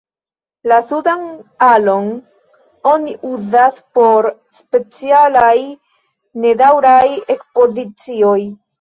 La sudan alon oni uzas por specialaj, nedaŭraj ekspozicioj.